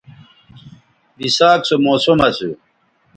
بِساک سو موسم اسو